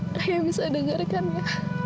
saya bisa dengarkan ya